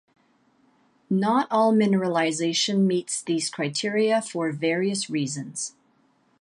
Not all mineralization meets these criteria for various reasons.